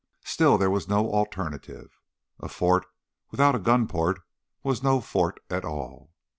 Still, there was no alternative. A fort without a gunport was no fort at all.